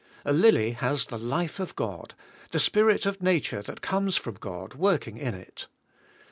A lily has the life of God, the Spirit of nature that comes from God working in it.